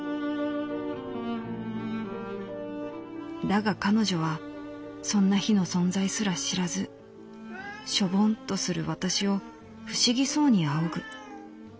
「だが彼女はそんな日の存在すら知らずしょぼんとする私を不思議そうに仰ぐ。